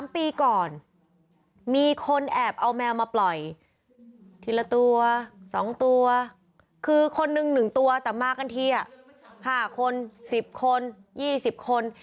๓ปีก่อนมีคนแอบเอาแมวมาปล่อยทีละตัว๒ตัวคือคนหนึ่ง๑ตัวแต่มากันที๕คน๑๐คน๒๐คน